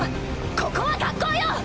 ここは学校よ！